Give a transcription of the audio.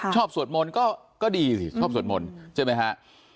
ชอบสวดมนตร์ก็ดีสิชอบสวดมนตร์ใช่ไหมครับ